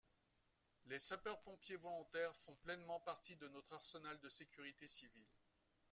Les sapeurs-pompiers volontaires font pleinement partie de notre arsenal de sécurité civile.